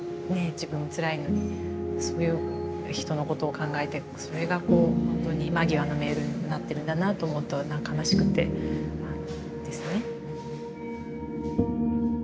自分つらいのにそういう人のことを考えてそれがこうほんとに間際のメールになってるんだなあと思うと何か悲しくてですね。